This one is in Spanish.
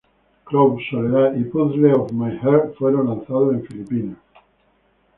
Close, Soledad y Puzzle of My Heart fueron lanzados en Filipinas.